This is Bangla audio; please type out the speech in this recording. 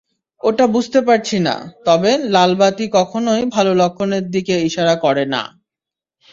ওটা বুঝতে পারছি না, তবে লালবাতি কখনোই ভালো লক্ষণের দিকে ইশারা করে না!